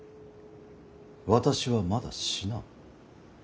私はまだ死なん。